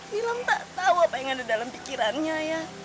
milam tak tahu apa yang ada dalam pikirannya ayah